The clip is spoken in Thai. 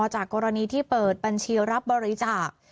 จากกรณีที่เปิดบัญชีรับบริจาค